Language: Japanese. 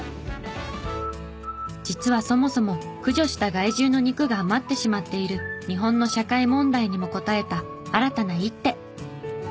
実はそもそも駆除した害獣の肉が余ってしまっている日本の社会問題にも応えた新たな一手。